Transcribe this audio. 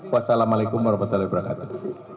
wassalamu'alaikum warahmatullahi wabarakatuh